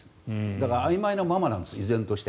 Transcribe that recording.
だから、あいまいなままなんです依然として。